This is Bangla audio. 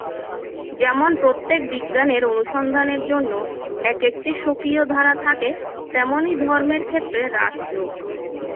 যেমন প্রত্যেক বিজ্ঞানের অনুসন্ধানের জন্য এক-একটি স্বকীয় ধারা থাকে, তেমনি ধর্মের ক্ষেত্রে রাজযোগ।